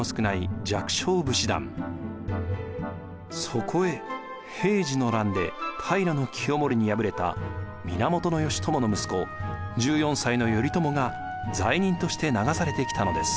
そこへ平治の乱で平清盛に敗れた源義朝の息子１４歳の頼朝が罪人として流されてきたのです。